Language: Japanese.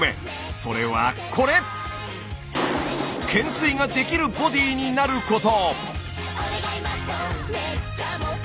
それはこれ！ができるボディーになること。